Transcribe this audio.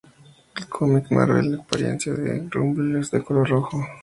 En el cómic Marvel la apariencia de Rumble es de color rojo.